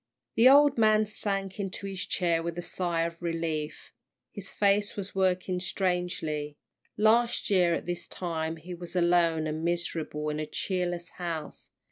The old man sank into his chair with a sigh of relief. His face was working strangely. Last year at this time he was alone and miserable in a cheerless house.